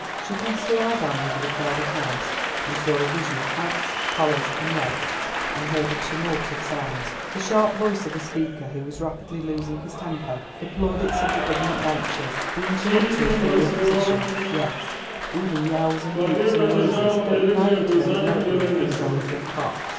She cast her eye down over the crowded House, and saw a vision of hats, collars, and legs, and heard a tumult of sounds: the sharp voice of a speaker who was rapidly losing his temper, the plaudits of the Government benches, the interruptions from the Opposition—yes, even yells, and hoots, and noises, that reminded her remotely of the crowing of cocks.